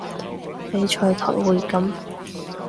翡翠台會噉